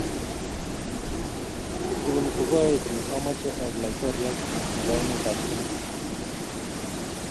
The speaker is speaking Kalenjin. Tun kokaetu amache aek laitoriat nebo emet ab Kenya